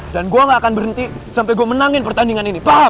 dan gua gak akan berhenti sampai gua menangin pertandingan ini paham